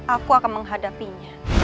aku akan menghadapinya